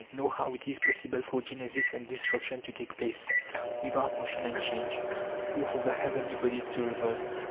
nor how it is possible for genesis and destruction to take place without motion and change, or for the heavenly bodies to revolve.